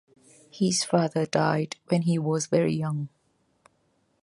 His father died when he was very young.